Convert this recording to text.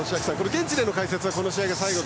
現地での解説はこの試合が最後と。